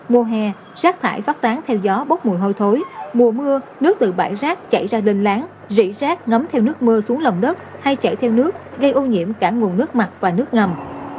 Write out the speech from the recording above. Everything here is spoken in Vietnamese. mùa hè rác thải phát tán theo gió bốc mùi hôi thối mùa mưa nước từ bãi rác chạy ra đênh láng rỉ rác ngắm theo nước mưa xuống lồng đất hay chạy theo nước gây ô nhiễm cả nguồn nước mặt và nước ngầm